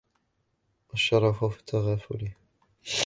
وَالشَّرَفُ فِي التَّغَافُلِ